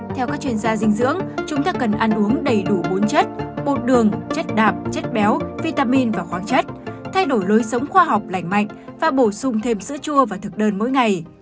theo các chuyên gia dinh dưỡng chúng ta cần ăn uống đầy đủ bốn chất bột đường chất đạp chất béo vitamin và khoáng chất thay đổi lối sống khoa học lành mạnh và bổ sung thêm sữa chua và thực đơn mỗi ngày